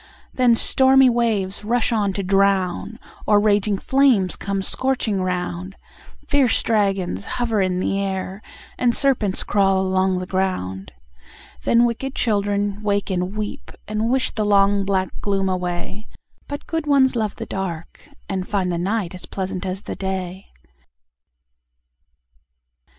Then stormy waves rush on to drown, Or raging flames come scorching round, Fierce dragons hover in the air, And serpents crawl along the ground. Then wicked children wake and weep, And wish the long black gloom away; But good ones love the dark, and find The night as pleasant as the day.